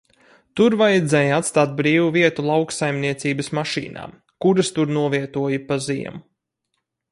Tur vajadzēja atstāt brīvu vietu lauksaimniecības mašīnām, kuras tur novietoja pa ziemu.